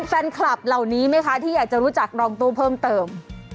แฟนคลับเหล่านี้ไหมคะที่อยากจะรู้จักรองตู้เพิ่มเติม